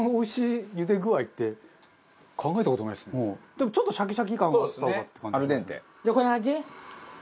でもちょっとシャキシャキ感があった方がって感じ。